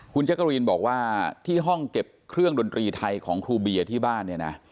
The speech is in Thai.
คุณจักรีนบอกว่าที่ห้องเก็บเครื่องดนตรีไทยของครูเบียร์ที่บ้านเนี่ยนะ